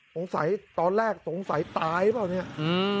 สงสัยตอนแรกสงสัยตายหรือเปล่าเนี่ย